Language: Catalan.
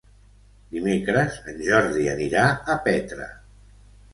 Dimecres en Jordi anirà a Petra.